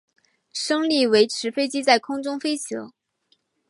升力维持飞机在空中飞行。